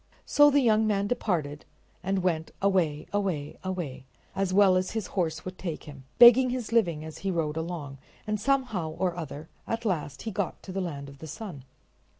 So the young man departed and went away, away, away, as well as his horse would take him, begging his living as he rode along, and somehow or other at last he got to the land of the sun.